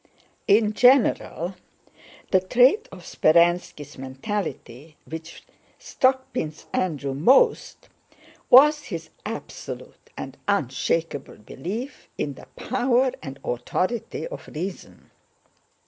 In general the trait of Speránski's mentality which struck Prince Andrew most was his absolute and unshakable belief in the power and authority of reason.